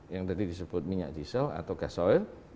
yang tadi disebut minyak diesel atau gas oil